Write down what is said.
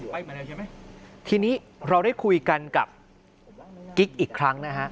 ไปมันมายังไงที่นี้เราได้คุยกันกับกิ๊กอีกครั้งนะฮะ